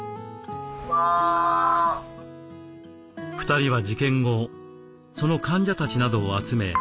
２人は事件後その患者たちなどを集め